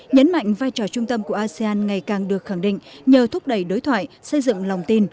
nhấn mạnh vai trò trung tâm của asean ngày càng được khẳng định nhờ thúc đẩy đối thoại xây dựng lòng tin